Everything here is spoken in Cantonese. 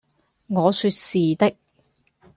」我説「是的。」